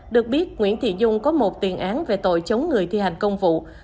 được biết nguyễn thị dung có một tiền án về tội chống người thi hành công vụ